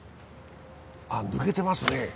抜けてますね。